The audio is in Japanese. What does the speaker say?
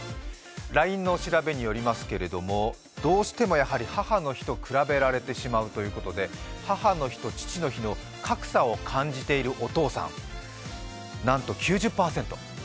ＬＩＮＥの調べによりますけれどもどうしても母の日と比べられてしまうということで母の日と父の日の格差を感じているお父さん、なんと９０％。